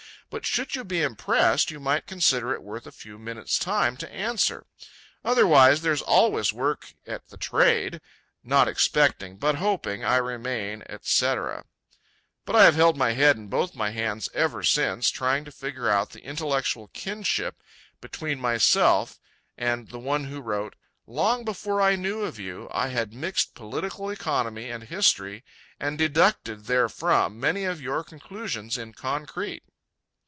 But should you be impressed, you might consider it worth a few minutes' time to answer. Otherwise, there's always work at the trade. Not expecting, but hoping, I remain, etc." But I have held my head in both my hands ever since, trying to figure out the intellectual kinship between myself and the one who wrote: "Long before I knew of you, I had mixed political economy and history and deducted therefrom many of your conclusions in concrete."